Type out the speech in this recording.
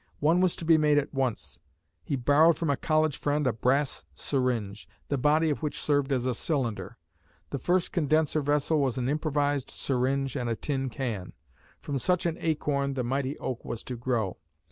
One was to be made at once; he borrowed from a college friend a brass syringe, the body of which served as a cylinder. The first condenser vessel was an improvised syringe and a tin can. From such an acorn the mighty oak was to grow.